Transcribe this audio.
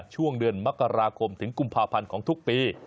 ช่วงเดือนมกราคมถึงกุมภาพันธ์ของทุกปี